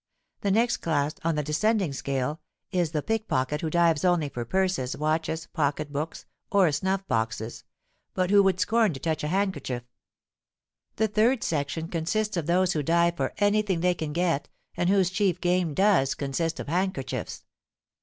The next class, on the descending scale, is the pickpocket who dives only for purses, watches, pocket books, or snuff boxes, but who would scorn to touch a handkerchief. The third section consists of those who dive for any thing they can get, and whose chief game does consist of handkerchiefs.